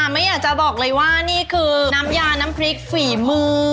ไม่อยากจะบอกเลยว่านี่คือน้ำยาน้ำพริกฝีมือ